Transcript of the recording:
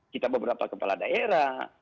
kita beberapa kepala daerah